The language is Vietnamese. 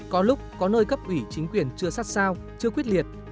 có lúc có nơi cấp ủy chính quyền chưa sát sao chưa quyết liệt